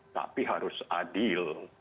tapi harus adil